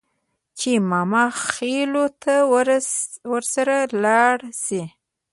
چې ماماخېلو ته ورسره لاړه شي.